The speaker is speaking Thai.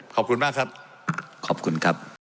ขอบคุณมากครับ